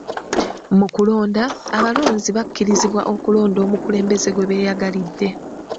Mu kulonda, abalonzi bakkirizibwa okulonda omukulembeze gwe beyagalidde.